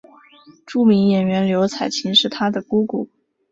著名演员周采芹是她的姑姑。